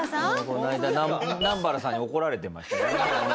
この間南原さんに怒られてましたね。